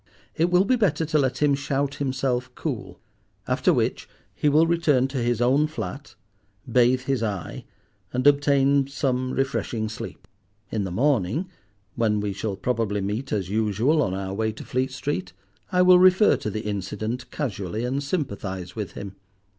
It will be better to let him shout himself cool; after which he will return to his own flat, bathe his eye, and obtain some refreshing sleep. In the morning, when we shall probably meet as usual on our way to Fleet Street, I will refer to the incident casually, and sympathize with him.